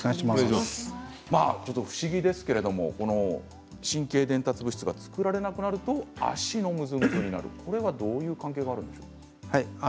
ちょっと不思議ですけれど神経伝達物質が作られなくなると脚のムズムズになるどういう関係があるでしょうか？